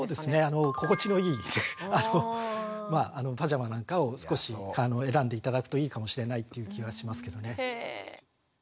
心地のいいパジャマなんかを少し選んで頂くといいかもしれないっていう気はしますけどね。